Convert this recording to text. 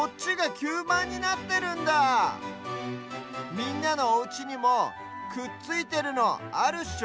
みんなのおうちにもくっついてるのあるっしょ？